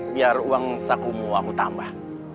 biar uang sakumu aku tambah